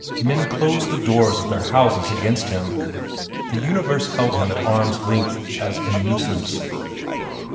Men closed the doors of their houses against him. The universe held him at arm's length as a nuisance.